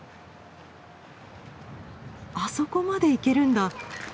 あそこまで行けるんだ。